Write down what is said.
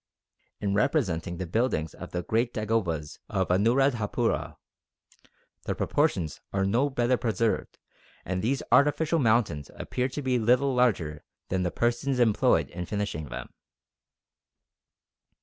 In representing the buildings of the great dagobas of Anuradhapura, the proportions are no better preserved and these artificial mountains appear to be little larger than the persons employed in finishing them....